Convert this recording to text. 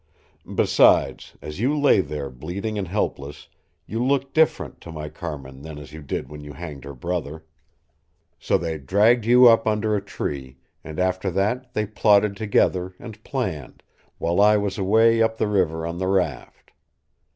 Besides, as you lay there bleeding and helpless, you looked different to my Carmin than as you did when you hanged her brother. So they dragged you up under a tree, and after that they plotted together and planned, while I was away up the river on the raft.